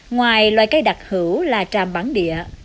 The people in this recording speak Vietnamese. ngoài loài cây đặc hữu là tràm bản địa